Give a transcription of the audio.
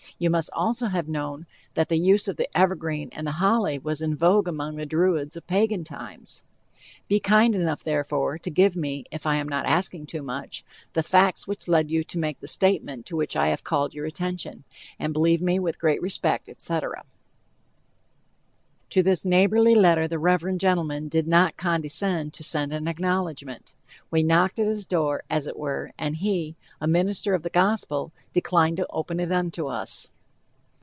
You must also have known that the use of the evergreen and the holy was in vogue among the Druids of Pagan times. Be kind enough, therefore, to give me, if I am not asking too much, the facts which led you to make the statement to which I have called your attention, and believe me, with great respect, etc. To this neighborly letter the reverend gentleman did not condescend to send an acknowledgment. We knocked at his door, as it were, and he, a minister of the Gospel, declined to open it unto us.